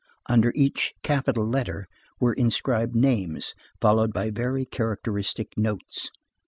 Under each capital letter were inscribed names followed by very characteristic notes.